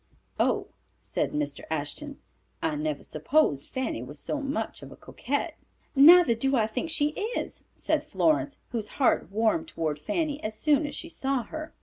"Oh," said Mr. Ashton, "I never supposed Fanny was so much of a coquette." "Neither do I think she is," said Florence, whose heart warmed toward Fanny as soon as she saw her.